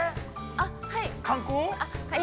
◆あっ、はい。